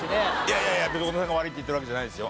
いやいや小野さんが悪いって言ってるわけじゃないですよ。